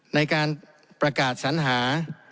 ในการประกาศสัญหา